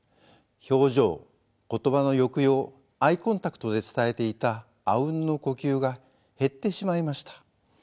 表情言葉の抑揚アイコンタクトで伝えていたあうんの呼吸が減ってしまいました。